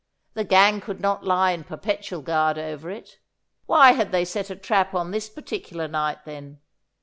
The gang could not lie in perpetual guard over it. Why had they set a trap on this particular night, then?